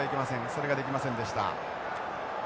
それができませんでした。